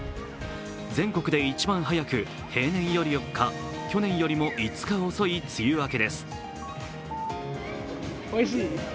全国で一番早く平年より４日、去年よりも５日遅い梅雨明けです。